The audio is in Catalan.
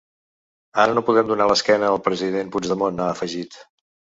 Ara no podem donar l’esquena al president Puigdemont, ha afegit.